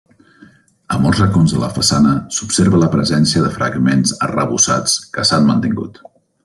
A molts racons de la façana s'observa la presència de fragments arrebossats que s'han mantingut.